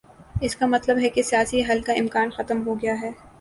اس کا مطلب ہے کہ سیاسی حل کا امکان ختم ہو گیا ہے۔